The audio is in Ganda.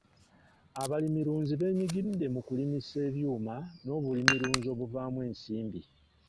Abalimirunzi beenyigidde mu kulimisa ebyuma n'obulimirunzi obuvaamu ensimbi.